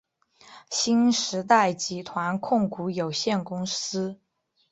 新时代集团控股有限公司。